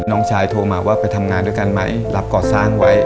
น้องชายโทรมาว่าไปทำงานด้วยกันไหมรับก่อสร้างไว้